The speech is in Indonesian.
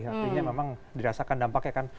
artinya memang dirasakan dampaknya kan